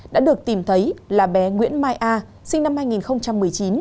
đã được tìm thấy là bé nguyễn mai a sinh năm hai nghìn một mươi chín